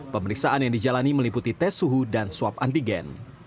pemeriksaan yang dijalani meliputi tes suhu dan swab antigen